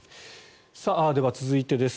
では、続いてです。